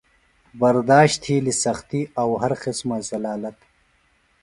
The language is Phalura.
برداشت تھیلیۡ سختیۡ او ہر قسمہ ذلالت۔